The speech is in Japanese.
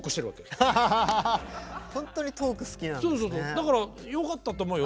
だからよかったと思うよ。